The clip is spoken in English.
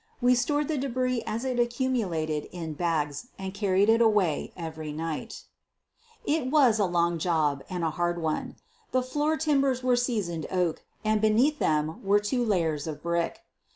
We stored the debris as it accumulated in bags and carried it away every night. It was was a long job and a hard one. The floor QUEEN OF THE BURGLARS 133 timbers were seasoned oak and beneath them were two layers of brick.